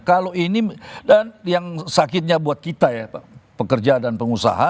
kalau ini dan yang sakitnya buat kita ya pekerja dan pengusaha